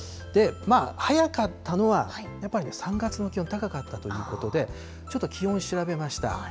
早かったのは、やっぱりね、３月の気温高かったということで、ちょっと気温調べました。